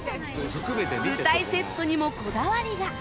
舞台セットにもこだわりが